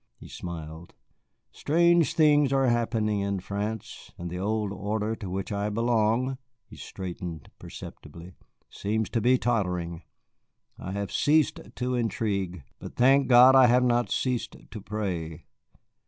He smiled. "Strange things are happening in France, and the old order to which I belong" (he straightened perceptibly) "seems to be tottering. I have ceased to intrigue, but thank God I have not ceased to pray.